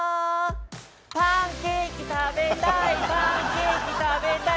「パンケーキ食べたいパンケーキ食べたい」